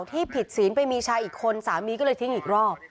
ที่ผิดศีลไปมีชายอีกคนสามีก็เลยทิ้งอีกรอบ